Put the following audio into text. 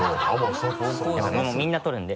みんな撮るんで。